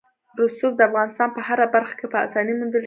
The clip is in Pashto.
رسوب د افغانستان په هره برخه کې په اسانۍ موندل کېږي.